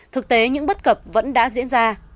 thực tế những bất cập vẫn đã diễn ra